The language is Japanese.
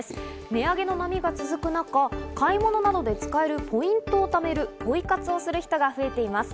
値上げの波が続く中、買い物などで使えるポイントを貯めるポイ活をする人が増えています。